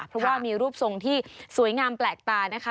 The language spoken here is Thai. เพราะว่ามีรูปทรงที่สวยงามแปลกตานะคะ